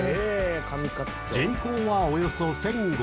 人口は、およそ１５００。